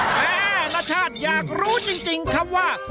แม่นชาติอยากรู้จริงคำว่า